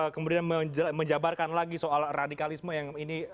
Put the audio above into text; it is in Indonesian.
kemudian menjabarkan lagi soal radikalisme yang ini